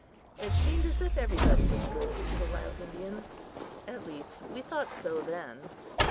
It seemed as if everybody was good to the wild Indian; at least we thought so then.